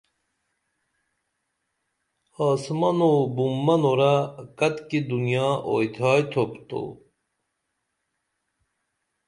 آسمن و بُم منورہ کتکی دنیا اوتھیائی تھوپ تو